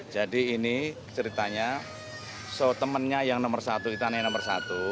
jadi ini ceritanya so temennya yang nomor satu itan yang nomor satu